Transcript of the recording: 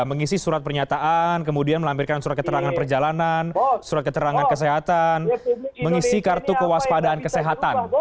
mengisi surat pernyataan kemudian melampirkan surat keterangan perjalanan surat keterangan kesehatan mengisi kartu kewaspadaan kesehatan